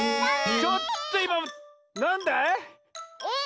ちょっといまなんだい？え？